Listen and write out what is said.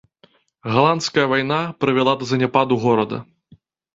Галандская вайна прывяла да заняпаду горада.